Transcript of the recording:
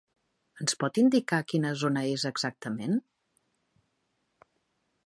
Ens pot indicar quina zona és exactament?